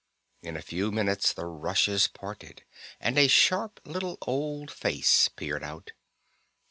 In a few minutes the rushes parted and a sharp little old face peered out.